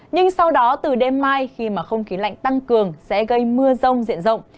nhưng sau đó từ đêm mai khi mà không khí lạnh tăng cường sẽ gây mưa rông diện rộng